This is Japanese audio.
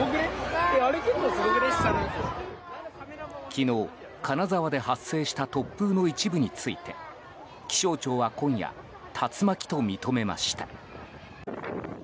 昨日、金沢で発生した突風の一部について気象庁は今夜竜巻と認めました。